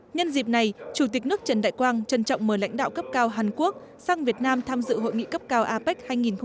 nhân dịp này chủ tịch nước trần đại quang trân trọng mời lãnh đạo cấp cao hàn quốc sang việt nam tham dự hội nghị cấp cao apec hai nghìn hai mươi